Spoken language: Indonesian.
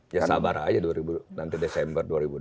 ya sabar aja nanti desember dua ribu dua puluh